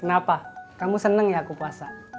kenapa kamu seneng ya aku puasa